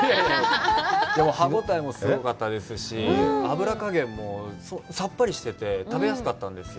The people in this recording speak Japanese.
でも、歯応えもすごかったですし、脂かげんもさっぱりしてて食べやすかったんですよ。